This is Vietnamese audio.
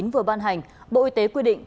vừa ban hành bộ y tế quy định